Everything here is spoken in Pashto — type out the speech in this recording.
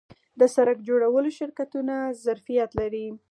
د سرک جوړولو شرکتونه ظرفیت لري؟